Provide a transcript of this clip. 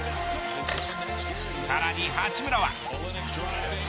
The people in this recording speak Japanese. さらに八村は。